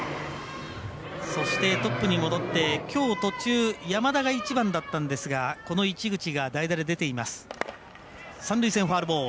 そして、トップに戻ってきょう途中山田が１番だったんですがこの市口が代打で出ています。